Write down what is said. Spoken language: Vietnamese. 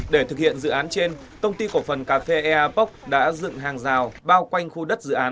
để thực hiện dự án trên công ty cổ phần cà phê eapok đã dựng hàng rào bao quanh khu đất dự án